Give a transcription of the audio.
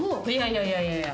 いやいやいやいや。